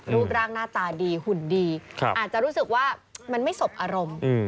รูปร่างหน้าตาดีหุ่นดีอาจจะรู้สึกว่ามันไม่สบอารมณ์